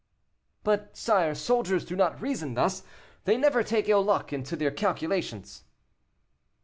"But, sire, soldiers do not reason thus, they never take ill luck into their calculations."